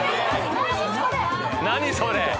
何それ？